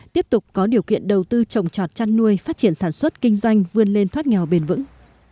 tiếp tục có điều kiện đầu tư trồng trọt chăn nuôi phát triển sản xuất kinh doanh vươn lên thoát nghèo bền vững